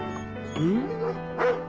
うん？